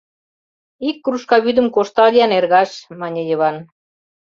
— Ик кружка вӱдым коштал-ян, эргаш, — мане Йыван.